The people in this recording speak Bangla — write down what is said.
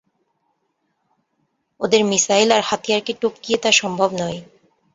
ওদের মিসাইল আর হাতিয়ারকে টপকিয়ে তা সম্ভব নয়।